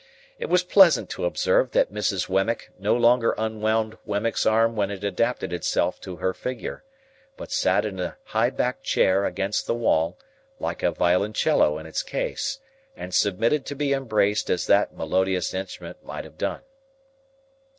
It was pleasant to observe that Mrs. Wemmick no longer unwound Wemmick's arm when it adapted itself to her figure, but sat in a high backed chair against the wall, like a violoncello in its case, and submitted to be embraced as that melodious instrument might have done.